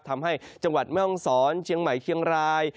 ทำให้จังหวัดแม่ห้องศรเชียงใหม่เชียงราย